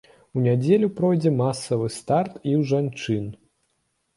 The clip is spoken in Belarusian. У нядзелю пройдзе масавы старт і ў жанчын.